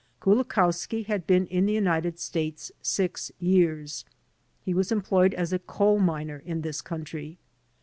Kula kowski had been in the United States 6 years. He was employed as a coal miner in this country.